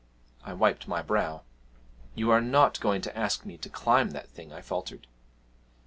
I wiped my brow. 'You are not going to ask me to climb that thing?' I faltered.